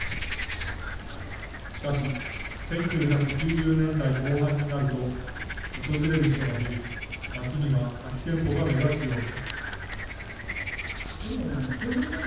しかし、１９９０年代後半になると、訪れる人が減り、街には空き店舗が目立つように。